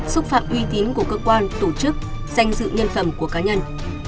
xúc phạm uy tín của cơ quan tổ chức danh dự nhân phẩm của cá nhân